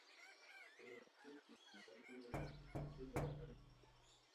Los habitantes por lo general viven de la pesca y la agricultura.